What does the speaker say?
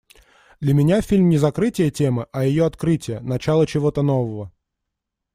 Для меня фильм не закрытие темы, а ее открытие, начало чего-то нового.